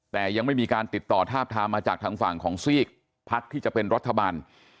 แต่ยังไม่มีการติดต่อทาบทามมาจากทางฝั่งของซีกพักที่จะเป็นรัฐบาล